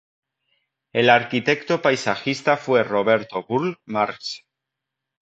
El arquitecto paisajista fue Roberto Burle Marx.